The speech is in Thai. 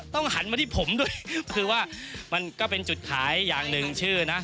หันมาที่ผมด้วยคือว่ามันก็เป็นจุดขายอย่างหนึ่งชื่อนะ